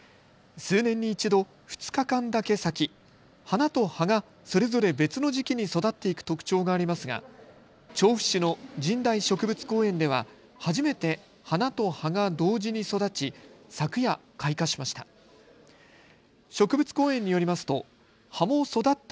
数年に１度、２日間だけ咲き花と葉がそれぞれ別の時期に育っていく特徴がありますが調布市の神代植物公園では初めて花と葉が同時に育ち昨夜、開花しました。